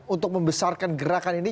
untuk membesarkan gerakan ini